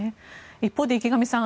一方で、池上さん